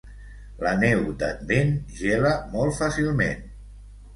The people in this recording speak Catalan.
La neu d'Advent gela molt fàcilment.